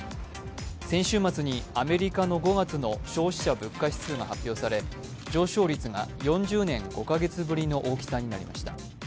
先週末にアメリカの５月の消費者物価指数が発表され上昇率が４０年５カ月ぶりの大きさになりました。